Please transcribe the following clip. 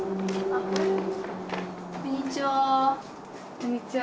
こんにちは。